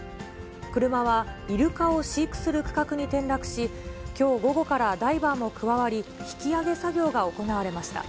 車はイルカを飼育する区画に転落し、きょう午後からダイバーも加わり、引き揚げ作業が行われました。